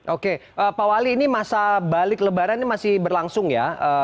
oke pak wali ini masa balik lebaran ini masih berlangsung ya